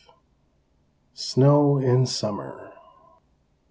CXLI. SNOW IN SUMMER.